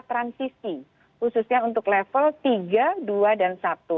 transisi khususnya untuk level tiga dua dan satu